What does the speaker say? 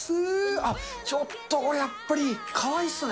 あっ、ちょっとやっぱり、かわいいっすね。